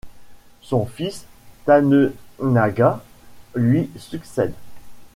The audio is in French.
Son fils Tanenaga lui succède.